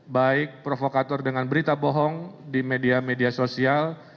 baik provokator dengan berita bohong di media media sosial